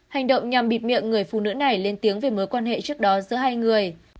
hành động nhằm bịt miệng người phụ nữ này lên tiếng về mối quan hệ trước đó giữa hai người